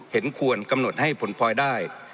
เห็นควรกำหนดให้ผลพลอยได้